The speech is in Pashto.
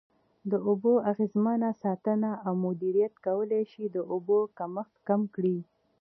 د اوبو اغیزمنه ساتنه او مدیریت کولای شي د اوبو کمښت کم کړي.